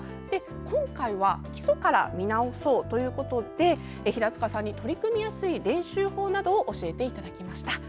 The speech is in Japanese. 今回は基礎から見直そうということで平塚さんに取り組みやすい練習法などを教えていただきました。